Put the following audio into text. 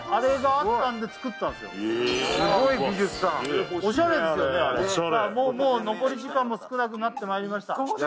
あれもう残り時間も少なくなってまいりました